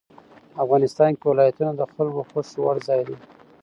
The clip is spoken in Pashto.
افغانستان کې ولایتونه د خلکو خوښې وړ ځای دی.